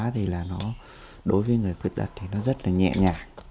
thì là nó đối với người khuyết tật thì nó rất là nhẹ nhàng